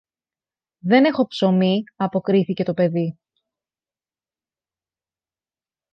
Δεν έχω ψωμί, αποκρίθηκε το παιδί.